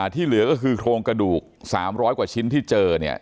ที่เหลือก็คือโครงกระดูก๓๐๐กว่าชิ้นที่เจอเนี่ย